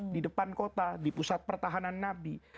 di depan kota di pusat pertahanan nabi